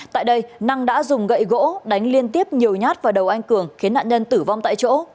tại đây năng đã dùng gậy gỗ đánh liên tiếp nhiều nhát vào đầu anh cường khiến nạn nhân tử vong tại chỗ